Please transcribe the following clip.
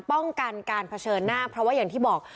ป้องกันการเผชิญหน้าเพราะว่าอย่างที่บอก